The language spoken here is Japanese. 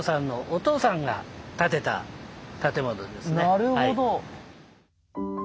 なるほど。